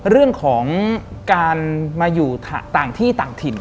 เรื่องของการมาอยู่ต่างที่ต่างถิ่น